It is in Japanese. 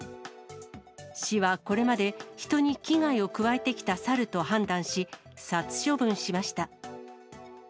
市はこれまで、人に危害を加えてきたサルと判断し、殺処分しました。